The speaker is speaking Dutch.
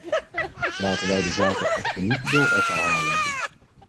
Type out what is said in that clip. Laten wij de zaken echter niet door elkaar halen.